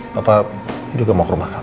bapak juga mau ke rumah kami